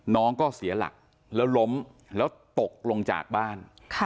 น้องก็เสียหลักแล้วล้มแล้วตกลงจากบ้าน